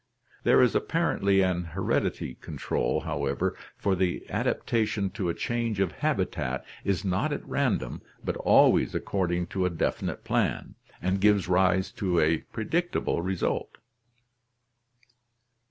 There is apparently an heredity control, however, for the adapta tion to a change of habitat is not at random but always according to a definite plan, and gives rise to a predictable result.